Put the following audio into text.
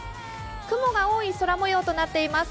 雲が多い空もようとなっています。